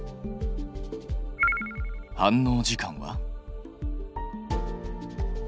反応時間は？